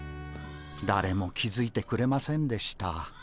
だれも気付いてくれませんでした。